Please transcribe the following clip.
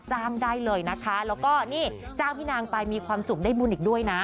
จ้างได้เลยนะคะแล้วก็นี่จ้างพี่นางไปมีความสุขได้บุญอีกด้วยนะ